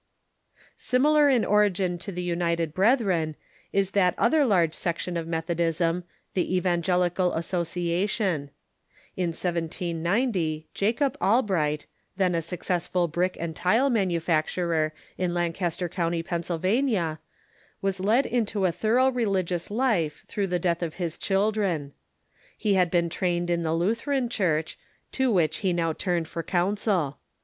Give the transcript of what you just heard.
Similar in origin to the United Brethren is that other large section of Methodism, the Evangelical Association. In 1790 Albright and J '^cob Albright, then a successful brick and tile ihe Evangelical manufacturer in Lancaster County, Pennsylvania, ssocia ion ^^,^^ j^^l j^^^^ ^ thorough religious life through the death of his children. He had been trained in the Lutheran Church, to which he now turned for counsel.